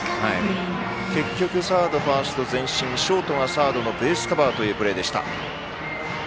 結局、サードとファーストが前進ショートがサードのベースカバーというプレーでした。